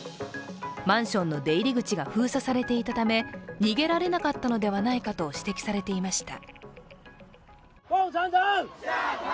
マンションの出入り口が封鎖されていたため、逃げられなかったのではないかと指摘されていました。